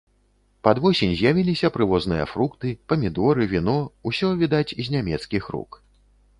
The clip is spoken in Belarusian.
Пад восень з'явіліся прывозныя фрукты, памідоры, віно, усё, відаць, з нямецкіх рук.